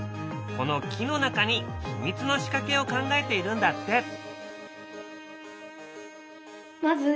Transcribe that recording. この木の中に秘密の仕掛けを考えているんだって。